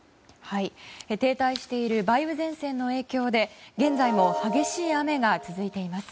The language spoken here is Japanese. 停滞している梅雨前線の影響で現在も激しい雨が続いています。